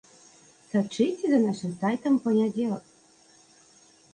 Сачыце за нашым сайтам у панядзелак.